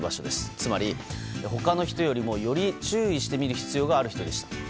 つまり、他の人よりもより注意して見る必要がある人でした。